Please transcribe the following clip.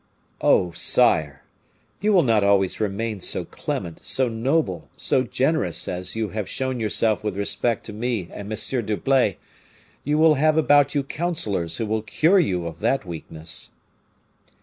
"Oh, sire! you will not always remain so clement, so noble, so generous as you have shown yourself with respect to me and M. d'Herblay; you will have about you counselors who will cure you of that weakness."